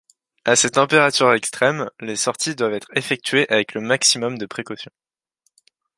À ces températures extrêmes, les sorties doivent être effectuées avec le maximum de précautions.